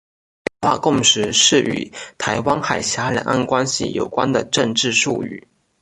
九二共识是与台湾海峡两岸关系有关的政治术语。